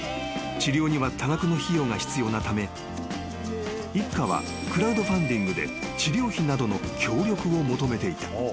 ［治療には多額の費用が必要なため一家はクラウドファンディングで治療費などの協力を求めていた］